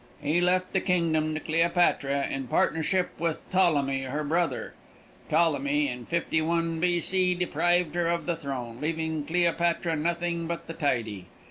He left the kingdom to Cleopatra, in partnership with Ptolemy, her brother. Ptolemy, in 51 B. C., deprived her of the throne, leaving Cleopatra nothing but the tidy.